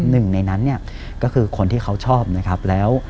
หนึ่งในนั้นเนี่ยก็คือคนที่เขาชอบนะครับแล้ว